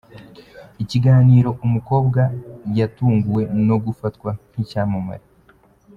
Ikiganiro umkobwa Yatunguwe no gufatwa nk’icyamamare